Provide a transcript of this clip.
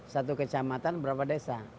satu kecamatan berapa desa